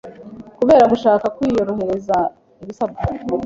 kubera gushaka kwiyorohereza ibisabwa,